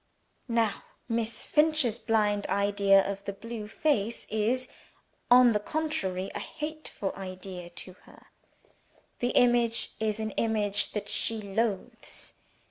Now Miss Finch's blind idea of the blue face is, on the contrary, a hateful idea to her the image is an image that she loathes.